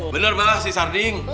benar benar sih sarding